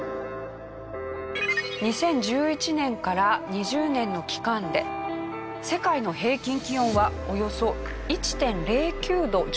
２０１１年から２０２０年の期間で世界の平均気温はおよそ１．０９度上昇したそうです。